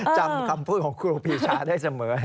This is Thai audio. จำคำพูดของครูปีชาได้เสมอ